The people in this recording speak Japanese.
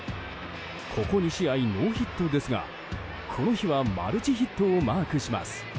ここ２試合ノーヒットですがこの日はマルチヒットをマークします。